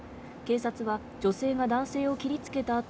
警察は女性が男性を切りつけた